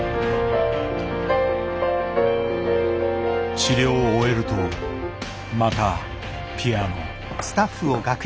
治療を終えるとまたピアノ。